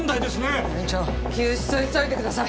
病院長救出を急いでください！